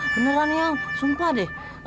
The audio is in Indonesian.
beneran yang sumpah deh